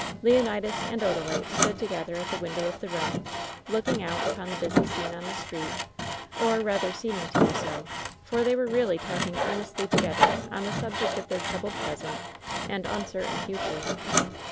Leonidas and Odalite stood together at the window of the room, looking out upon the busy scene on the street, or rather seeming to do so, for they were really talking earnestly together on the subject of their troubled pres ent and uncertain future.